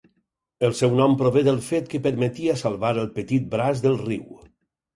El seu nom prové del fet que permetia salvar el petit braç del riu.